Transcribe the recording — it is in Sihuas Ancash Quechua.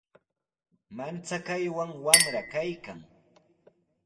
Manchakaywan wamra kaykan.